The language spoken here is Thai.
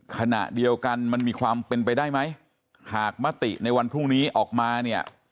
ขณะเดียวกันมันมีความเป็นไปได้ไหมหากมติในวันพรุ่งนี้ออกมาเนี่ย